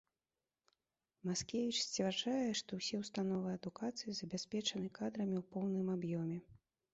Маскевіч сцвярджае, што ўсе ўстановы адукацыі забяспечаны кадрамі ў поўным аб'ёме.